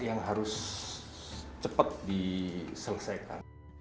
yang harus cepat diselesaikan